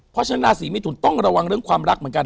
เพราะฉะนั้นราศีมิถุนต้องระวังเรื่องความรักเหมือนกัน